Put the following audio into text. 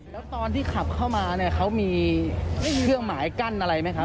แล้วตอนที่ขับเข้ามาเนี่ยเขามีเครื่องหมายกั้นอะไรไหมครับ